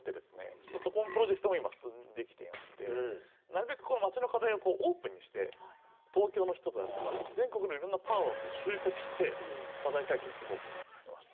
実はそこのプロジェクトも今進んできていましてなるべくこの町の課題をオープンにして東京の人であるとか全国のいろんなパワーを集結して課題解決していこうと思いました。